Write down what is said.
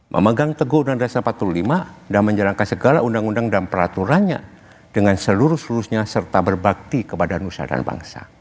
memegang teguh dan dasar empat puluh lima dan menjalankan segala undang undang dan peraturannya dengan seluruh seluruhnya serta berbakti kepada nusa dan bangsa